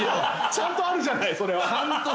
ちゃんとあるじゃない。